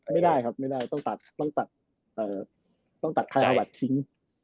ไม่ได้ครับไม่ได้ต้องตัดต้องตัดเอ่อต้องตัดคายฮาวัททิ้ง